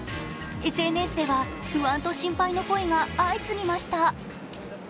ＳＮＳでは不安と心配の声が相次ぎました。